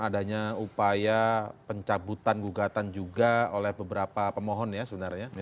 adanya upaya pencabutan gugatan juga oleh beberapa pemohon ya sebenarnya